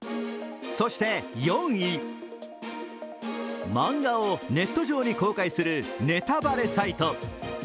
そして４位、漫画をネット上に公開するネタバレサイト。